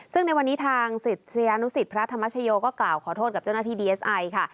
ซึ่งในวันนี้ทางศิษยานุสิตพระธรรมชโยก็กล่าวขอโทษกับเจ้าหน้าที่ดีเอสไอค่ะ